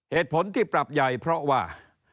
เหตุผลที่ปรับใหญ่เพราะว่า